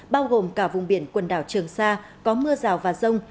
bao gồm cả vùng biển quần đảo trường sa có mưa rào và rông